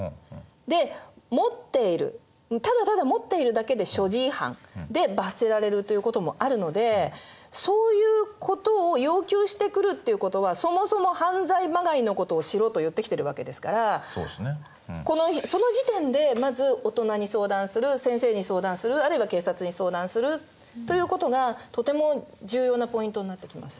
で持っているただただ持っているだけで「所持違反」で罰せられるということもあるのでそういうことを要求してくるっていうことはそもそも「犯罪まがいのことをしろ」と言ってきてるわけですからその時点でまず大人に相談する先生に相談するあるいは警察に相談するということがとても重要なポイントになってきます。